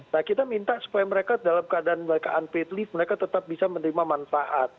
nah kita minta supaya mereka dalam keadaan mereka unpaid leave mereka tetap bisa menerima manfaat